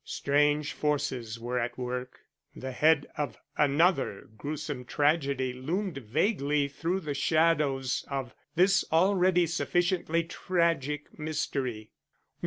Strange forces were at work. The head of another gruesome tragedy loomed vaguely through the shadows of this already sufficiently tragic mystery.